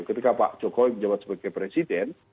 ketika pak jokowi menjabat sebagai presiden